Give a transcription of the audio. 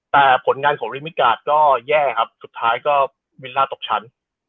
แต่ผลงานของริมิกาก็แย่ครับสุดท้ายก็วิลล่าตกชั้น